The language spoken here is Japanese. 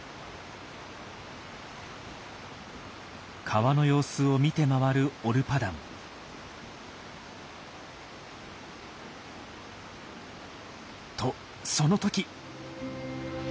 川の様子を見て回るオルパダン。とその時。